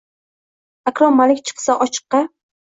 Аkrom Malik chiqsa ochiqqa